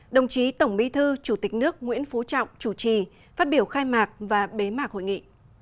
đồng chí tổng bí thư chủ tịch nước nguyễn phú trọng chủ trì phát biểu khai mạc và bế mạc hội nghị